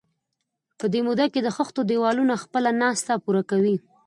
په دې موده کې د خښتو دېوالونه خپله ناسته پوره کوي.